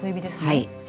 はい。